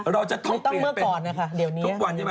เราจะต้องเปลี่ยนเป็นทุกวันใช่ไหม